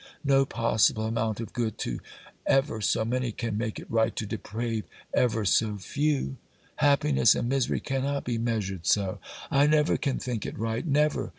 No possible amount of good to ever so many can make it right to deprave ever so few; happiness and misery cannot be measured so! I never can think it right, never!